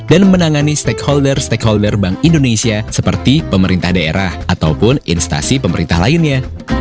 dan menangani stakeholder stakeholder bank indonesia seperti pemerintah daerah ataupun instasi pemerintah lainnya